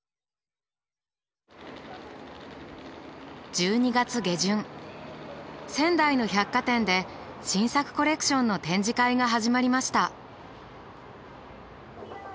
１２月下旬仙台の百貨店で新作コレクションの展示会が始まりました。